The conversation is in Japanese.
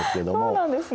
そうなんですね！